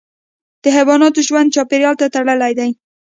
د حیواناتو ژوند چاپیریال ته تړلی دی.